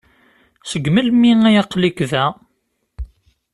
Seg melmi ay aql-ik da?